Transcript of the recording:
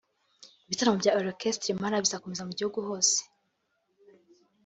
Ibitaramo bya Orchestre Impala bizakomeza mu gihugu hose